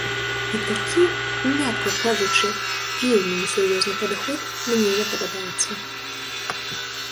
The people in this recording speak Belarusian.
І такі, мякка кажучы, вельмі несур'ёзны падыход мне не падабаецца.